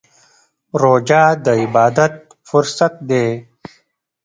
روژه د عبادت فرصت دی.